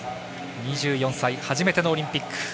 ２４歳、初めてのオリンピック。